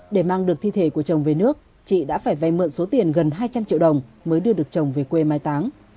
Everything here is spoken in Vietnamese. để mang được thi thể của chồng về nước chị đã phải vay mượn số tiền gần hai trăm linh triệu đồng mới đưa được chồng về quê mai táng